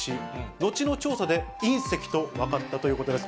後の調査で隕石と分かったということです。